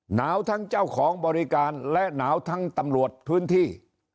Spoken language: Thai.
หนาวทั้งเจ้าของบริการและหนาวทั้งตำรวจพื้นที่